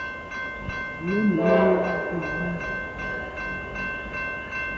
Me num nu à bû mèn i.